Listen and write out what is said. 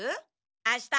あした！